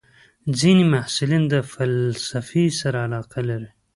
ځینې محصلین د فلسفې سره علاقه لري.